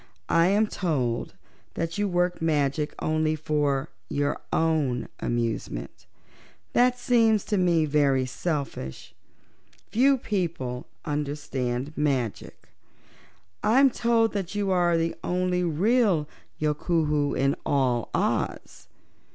I am told that you work magic only for your own amusement. That seems to me very selfish. Few people understand magic. I'm told that you are the only real Yookoohoo in all Oz.